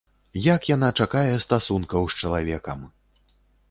Як яна чакае стасункаў з чалавекам!